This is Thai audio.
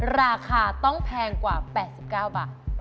ราคาต้องแพงกว่า๘๙บาท